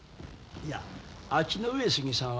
いやあっちの上杉さん